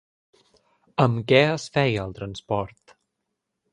Amb què es feia el transport?